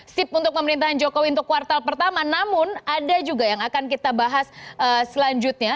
sip untuk pemerintahan jokowi untuk kuartal pertama namun ada juga yang akan kita bahas selanjutnya